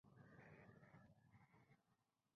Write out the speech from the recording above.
cocemos